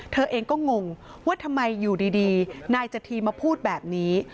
เธอเองก็งงว่าทำไมอยู่ดีนายจธีมาพูดแบบนี้